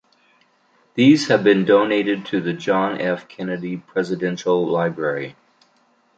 These have been donated to the John F. Kennedy Presidential Library.